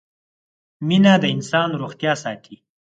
مينه د انسان روغتيا ساتي